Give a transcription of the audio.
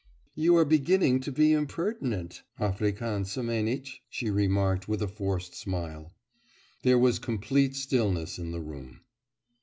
'You are beginning to be impertinent, African Semenitch!' she remarked with a forced smile. There was complete stillness in the room.